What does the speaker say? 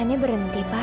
aku mau beritahu arc hon